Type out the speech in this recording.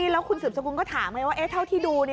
แล้วคุณสืบสกุลก็ถามไงว่าเท่าที่ดู